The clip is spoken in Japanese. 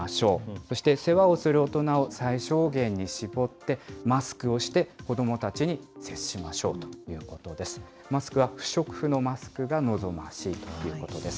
そして世話をする大人を最小限に絞って、マスクをして、子どもたちに接しましょうということです。